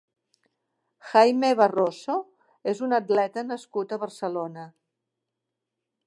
Jaime Barroso és un atleta nascut a Barcelona.